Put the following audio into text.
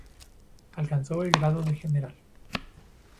Alcanzó el grado de General.